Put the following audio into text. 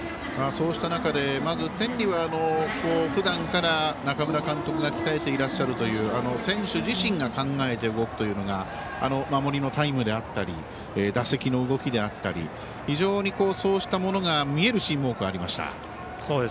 そうした中でまず天理はふだんから中村監督が鍛えていらっしゃるという選手自身が考えて動くというのが守りのタイムであったり打席の動きであったり非常にそうしたものが見えるシーンも多くありました。